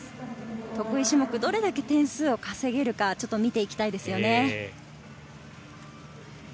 得意種目、どれだけ点数を稼げるか見ていきたいですね。